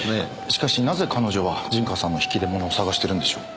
しかしなぜ彼女は陣川さんの引き出物を捜してるんでしょう。